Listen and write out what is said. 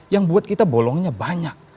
yang buat kita bolongnya banyak